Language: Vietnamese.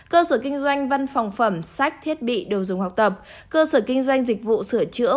cơ sở kinh doanh văn phòng phẩm sách thiết bị đồ dùng học tập cơ sở kinh doanh dịch vụ sửa chữa